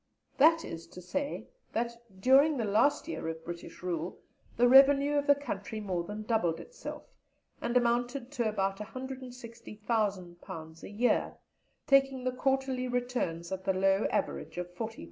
That is to say, that, during the last year of British rule, the revenue of the country more than doubled itself, and amounted to about £160,000 a year, taking the quarterly returns at the low average of £40,000."